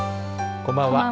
こんばんは。